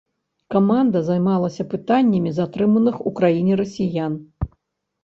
Каманда займалася пытаннямі затрыманых у краіне расіян.